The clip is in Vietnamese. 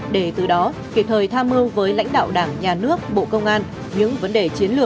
để từ đó kịp thời tham mưu với lãnh đạo đảng nhà nước bộ công an